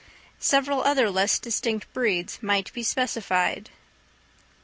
Several other less distinct breeds might be specified.